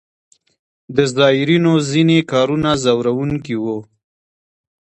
د زایرینو ځینې کارونه ځوروونکي وو.